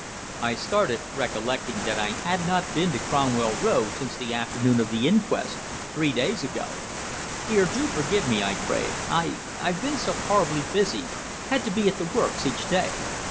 I started, recollecting that I had not been to Cromwell Road since the afternoon of the inquest three days ago. "Dear, do forgive me," I craved. "I I've been so horribly busy. Had to be at the works each day."